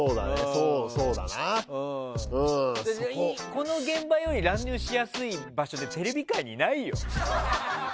この現場より乱入しやすい場所ってテレビ界にないよ。